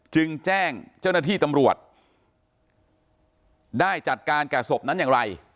จึงแจ้งเจ้าหน้าที่ตำรวจได้จัดการแก่ศพนั้นอย่างไร